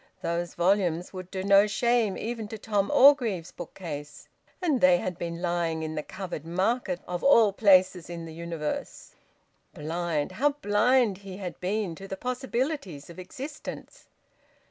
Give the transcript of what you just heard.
Those volumes would do no shame even to Tom Orgreave's bookcase. And they had been lying in the Covered Market, of all places in the universe... Blind! How blind he had been to the possibilities of existence!